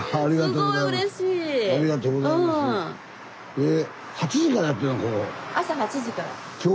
えっ⁉